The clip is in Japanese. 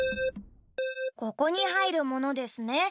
ここにはいるものですね。